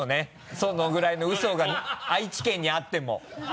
そのぐらいのウソが愛知県にあっても。